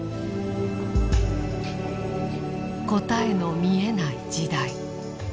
「答えの見えない時代。